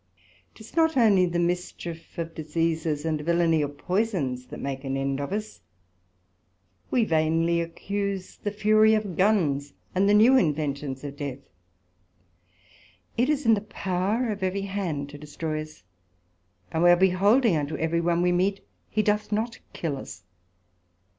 'Tis not onely the mischief of diseases, and villany of poysons, that make an end of us; we vainly accuse the fury of Guns, and the new inventions of death; it is in the power of every hand to destroy us, and we are beholding unto every one we meet, he doth not kill us.